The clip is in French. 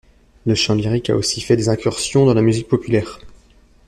Le chant lyrique a aussi fait des incursions dans la musique populaire.